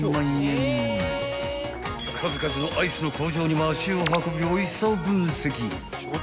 ［数々のアイスの工場にも足を運びおいしさを分析］